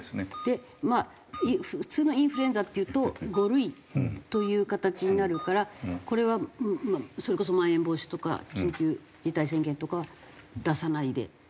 普通のインフルエンザっていうと５類という形になるからこれはそれこそまん延防止とか緊急事態宣言とかは出さないで。